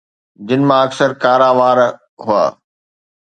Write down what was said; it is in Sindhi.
جن مان اڪثر ڪارا وار هئا